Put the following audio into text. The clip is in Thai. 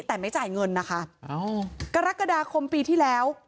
แต่ไม่จ่ายเงินนะคะกรกฎาคมปีที่แล้ว